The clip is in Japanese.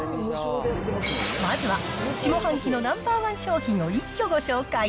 まずは、下半期のナンバーワン商品を一挙ご紹介。